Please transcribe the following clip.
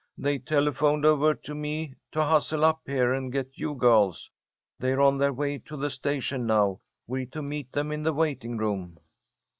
"They telephoned over to me to hustle up here and get you girls. They're on their way to the station now. We're to meet them in the waiting room."